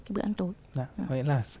cái bữa ăn tối